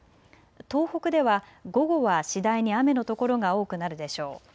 東北では午後は次第に雨の所が多くなるでしょう。